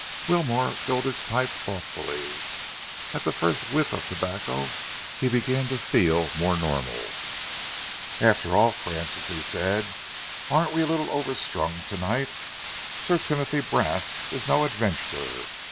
Wilmore filled his pipe thoughtfully. At the first whiff of tobacco he began to feel more normal. "After all, Francis," he said, "aren't we a little overstrung to night? Sir Timothy Brast is no adventurer.